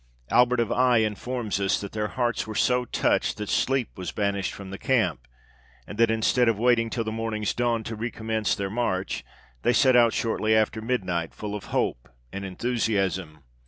Albert of Aix informs us that their hearts were so touched that sleep was banished from the camp, and that, instead of waiting till the morning's dawn to recommence their march, they set out shortly after midnight, full of hope and enthusiasm.